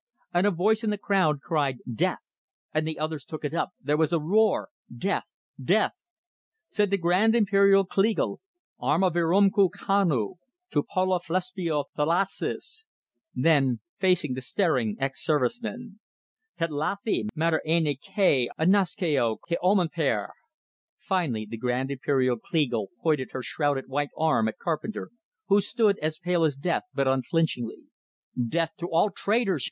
And a voice in the crowd cried "Death!" And the others took it up; there was a roar: "Death! Death!" Said the Grand Imperial Kleagle: "Arma virumque cano, tou poluphlesboiou thalasses!" Then, facing the staring ex servicemen: "Tetlathi mater erne kai anaskeo ko omeneper!" Finally the Grand Imperial Kleagle pointed her shrouded white arm at Carpenter, who stood, as pale as death, but unflinchingly. "Death to all traitors!"